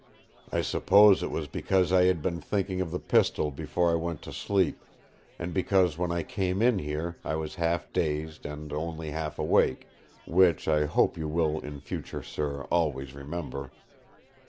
I suppose it was because I had been thinking of the pistol before I went to sleep, and because when I came in here I was half dazed and only half awake—which I hope you will in future, sir, always remember."